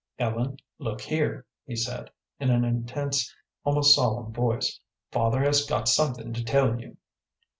"Ellen, look here," he said, in an intense, almost solemn voice, "father has got something to tell you."